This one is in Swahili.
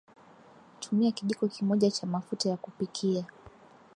tumia kijiko kimoja cha mafuta ya kupikia